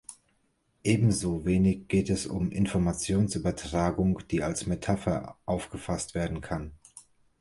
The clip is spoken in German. Ebenso wenig geht es um Informationsübertragung, die als Metapher aufgefasst werden kann.